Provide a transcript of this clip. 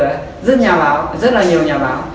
rất nhà báo rất là nhiều nhà báo